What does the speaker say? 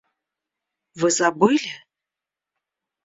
Вы забыли?